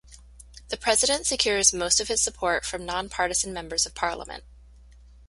The president secures most of his support from non-partisan members of parliament.